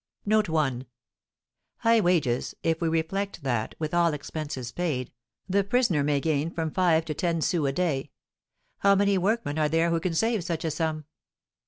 High wages, if we reflect that, with all expenses paid, a prisoner may gain from five to ten sous a day. How many workmen are there who can save such a sum?